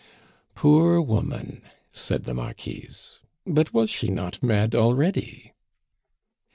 "Poor woman!" said the Marquise. "But was she not mad already?"